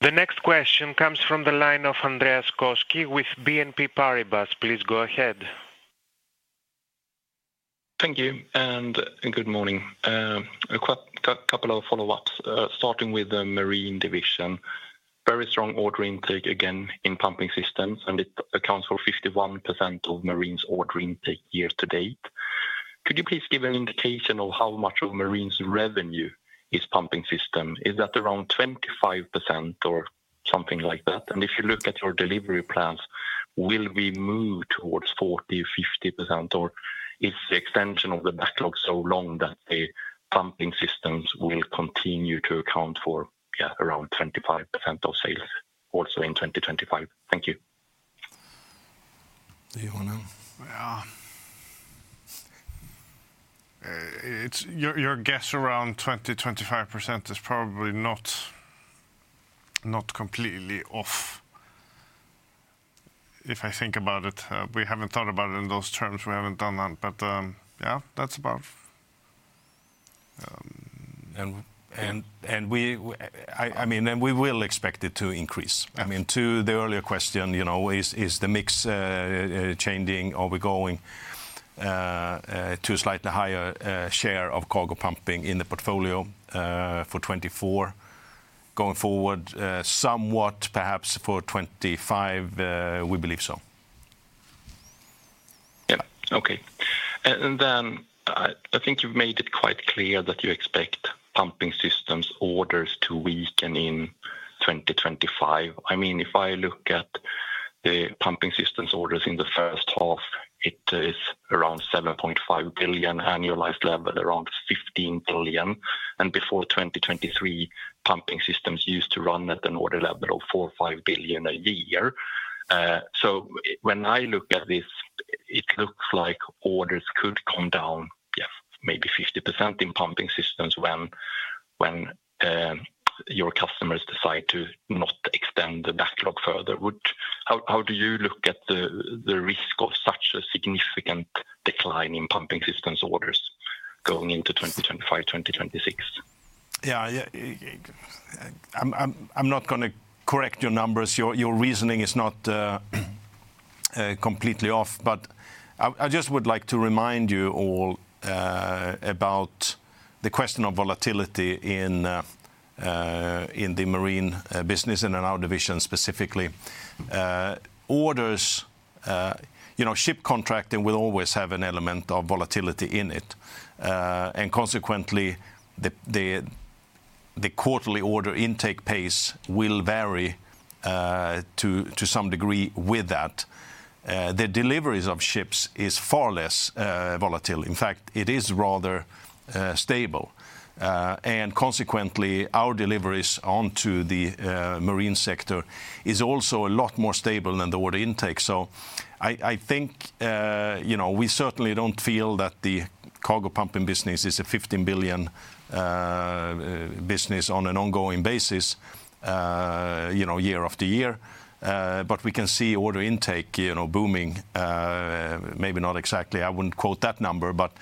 Thanks. The next question comes from the line of Andreas Koski with BNP Paribas. Please go ahead. Thank you, and, and good morning. A couple of follow-ups, starting with the Marine division. Very strong order intake again in pumping systems, and it accounts for 51% of Marine's order intake year to date. Could you please give an indication of how much of Marine's revenue is pumping system? Is that around 25% or something like that? And if you look at your delivery plans, will we move towards 40%-50%? Or is the extension of the backlog so long that the pumping systems will continue to account for, yeah, around 25% of sales, also in 2025? Thank you. Do you want to? Yeah. It's your guess around 20%-25% is probably not completely off, if I think about it. We haven't thought about it in those terms. We haven't done that, but yeah, that's about. I mean, we will expect it to increase. Yeah. I mean, to the earlier question, you know, is the mix changing? Are we going to a slightly higher share of cargo pumping in the portfolio for 2024?... going forward, somewhat perhaps for 2025, we believe so. Yeah. Okay. And then, I think you've made it quite clear that you expect pumping systems orders to weaken in 2025. I mean, if I look at the pumping systems orders in the first half, it is around 7.5 billion, annualized level around 15 billion, and before 2023, pumping systems used to run at an order level of 4 billion-5 billion a year. So when I look at this, it looks like orders could come down, yeah, maybe 50% in pumping systems when your customers decide to not extend the backlog further. How do you look at the risk of such a significant decline in pumping systems orders going into 2025, 2026? Yeah, yeah, I'm not gonna correct your numbers. Your reasoning is not completely off, but I just would like to remind you all about the question of volatility in the Marine business and in our division, specifically. Orders, you know, ship contracting will always have an element of volatility in it, and consequently, the quarterly order intake pace will vary to some degree with that. The deliveries of ships is far less volatile. In fact, it is rather stable. And consequently, our deliveries onto the Marine sector is also a lot more stable than the order intake. So I think, you know, we certainly don't feel that the cargo pumping business is a 15 billion business on an ongoing basis, you know, year after year. But we can see order intake, you know, booming, maybe not exactly, I wouldn't quote that number, but,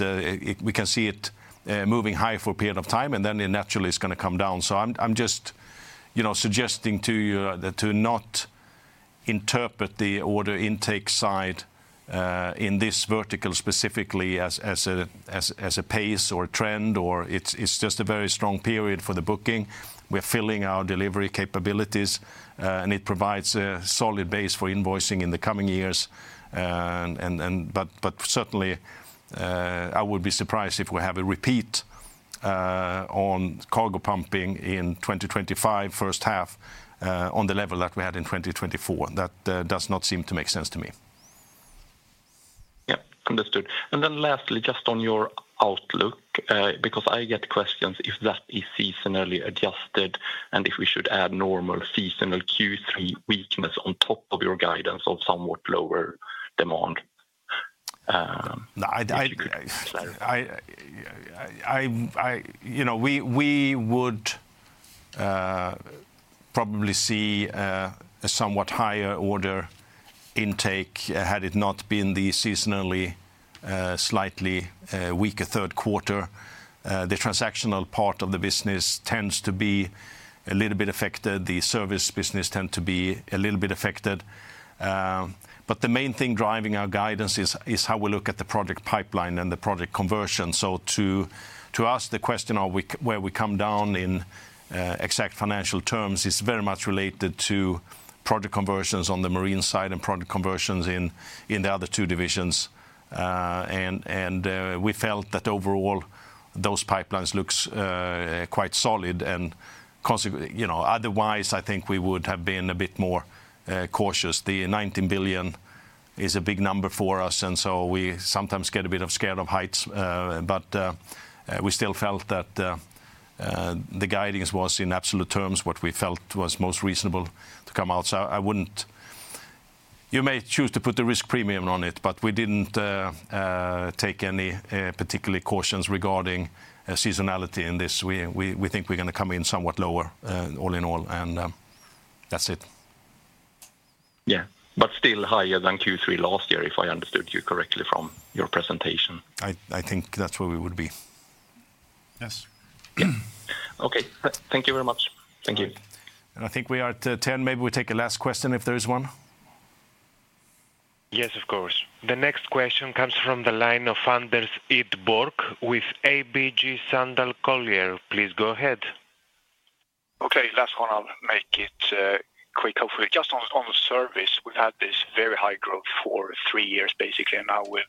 it—we can see it moving high for a period of time, and then it naturally is gonna come down. So I'm just, you know, suggesting to you, to not interpret the order intake side, in this vertical, specifically, as, as a pace or a trend or... It's just a very strong period for the booking. We're filling our delivery capabilities, and it provides a solid base for invoicing in the coming years. But certainly, I would be surprised if we have a repeat on cargo pumping in 2025, first half, on the level that we had in 2024. That does not seem to make sense to me. Yeah, understood. And then lastly, just on your outlook, because I get questions if that is seasonally adjusted and if we should add normal seasonal Q3 weakness on top of your guidance of somewhat lower demand, if you could clarify. No, you know, we would probably see a somewhat higher order intake, had it not been the seasonally slightly weaker third quarter. The transactional part of the business tends to be a little bit affected. The service business tend to be a little bit affected. But the main thing driving our guidance is how we look at the project pipeline and the project conversion. So to ask the question, where we come down in exact financial terms is very much related to project conversions on the marine side and project conversions in the other two divisions. And we felt that overall, those pipelines looks quite solid. You know, otherwise, I think we would have been a bit more cautious. The 19 billion is a big number for us, and so we sometimes get a bit scared of heights. But we still felt that the guidance was, in absolute terms, what we felt was most reasonable to come out. So I wouldn't... You may choose to put the risk premium on it, but we didn't take any particular cautions regarding seasonality in this. We think we're gonna come in somewhat lower, all in all, and that's it. Yeah, but still higher than Q3 last year, if I understood you correctly from your presentation. I think that's where we would be. Yes. Yeah. Okay, thank you very much. Thank you. I think we are at 10. Maybe we take a last question, if there is one. Yes, of course. The next question comes from the line of Anders Idborg with ABG Sundal Collier. Please go ahead. Okay, last one. I'll make it quick, hopefully. Just on service, we've had this very high growth for three years, basically, and now we've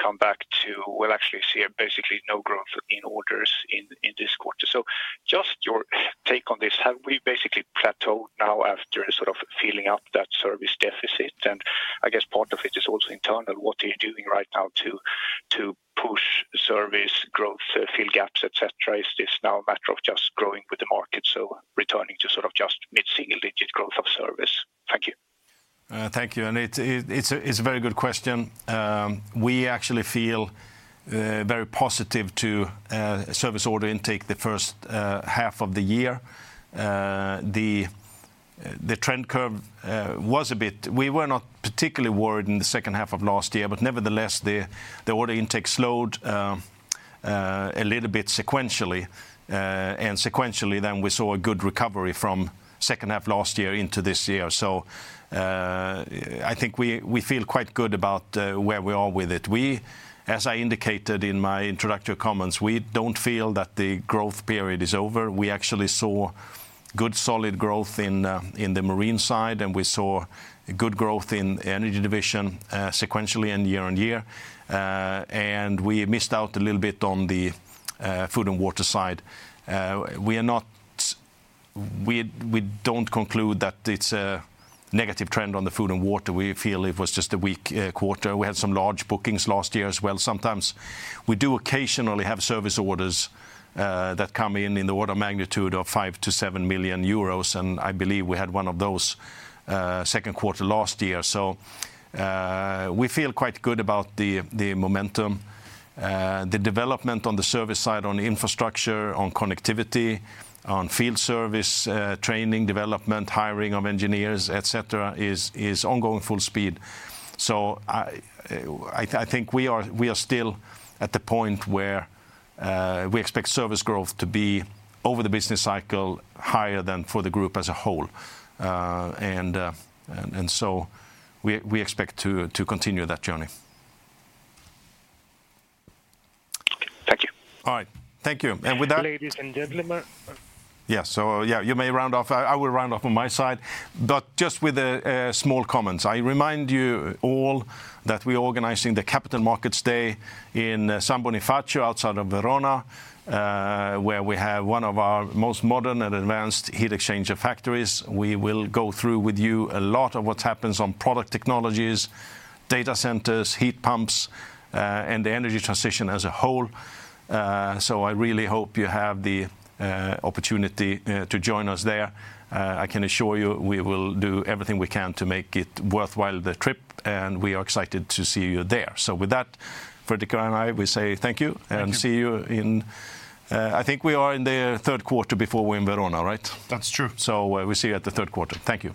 come back to, we'll actually see basically no growth in orders in this quarter. So just your take on this, have we basically plateaued now after sort of filling up that service deficit? And I guess part of it is also internal. What are you doing right now to push service growth, fill gaps, et cetera? Is this now a matter of just growing with the market, so returning to sort of just mid-single digit growth of service? Thank you. Thank you, and it's a very good question. We actually feel very positive to service order intake the first half of the year. The trend curve was a bit. We were not particularly worried in the second half of last year, but nevertheless, the order intake slowed a little bit sequentially, and sequentially, then we saw a good recovery from second half last year into this year. So, I think we feel quite good about where we are with it. We, as I indicated in my introductory comments, we don't feel that the growth period is over. We actually saw good, solid growth in the Marine side, and we saw good growth in Energy division, sequentially and year-on-year. And we missed out a little bit on the food and water side. We are not. We don't conclude that it's a negative trend on the food and water. We feel it was just a weak quarter. We had some large bookings last year as well. Sometimes we do occasionally have service orders that come in, in the order of magnitude of 5 million-7 million euros, and I believe we had one of those second quarter last year. So, we feel quite good about the momentum. The development on the service side, on infrastructure, on connectivity, on field service, training, development, hiring of engineers, et cetera, is ongoing full speed. So I think we are still at the point where we expect service growth to be over the business cycle, higher than for the group as a whole. And so we expect to continue that journey. Thank you. All right. Thank you, and with that- Ladies and gentlemen. Yeah, so, yeah, you may round off. I will round off on my side, but just with a small comment. I remind you all that we're organizing the Capital Markets Day in San Bonifacio, outside of Verona, where we have one of our most modern and advanced heat exchanger factories. We will go through with you a lot of what happens on product technologies, data centers, heat pumps, and the energy transition as a whole. So I really hope you have the opportunity to join us there. I can assure you, we will do everything we can to make it worthwhile, the trip, and we are excited to see you there. So with that, Fredrik and I, we say thank you. Thank you. and see you in... I think we are in the third quarter before we're in Verona, right? That's true. We'll see you at the third quarter. Thank you.